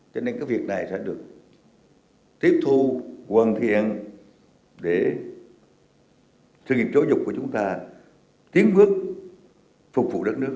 cho nên cái việc này sẽ được tiếp thu quần thiện để sự nghiệp giáo dục của chúng ta tiến bước phục vụ đất nước